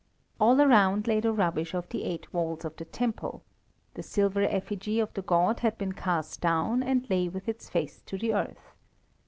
All around lay the rubbish of the eight walls of the temple; the silver effigy of the god had been cast down and lay with its face to the earth.